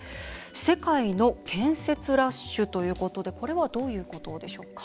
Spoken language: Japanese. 世界の建設ラッシュということでこれはどういうことでしょうか？